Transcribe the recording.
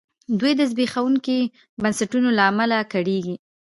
دوی د زبېښونکو بنسټونو له امله کړېږي.